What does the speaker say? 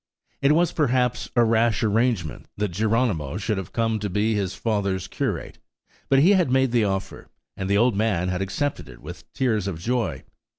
It was, perhaps, a rash arrangement that Geronimo should have come to be his father's Curate; but he had made the offer, and the old man had accepted it with tears of joy.